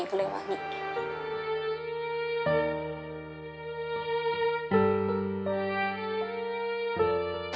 ก็เลยว่าอย่างนี้